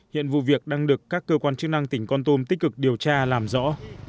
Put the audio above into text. hiện vụ việc đang được các cơ quan chức năng tỉnh con tum tích cực điều tra làm rõ